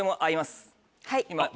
はい。